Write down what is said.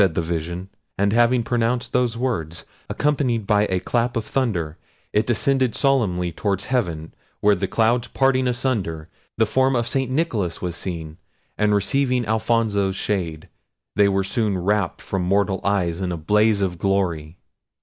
said the vision: And having pronounced those words, accompanied by a clap of thunder, it ascended solemnly towards heaven, where the clouds parting asunder, the form of St. Nicholas was seen, and receiving Alfonso's shade, they were soon wrapt from mortal eyes in a blaze of glory.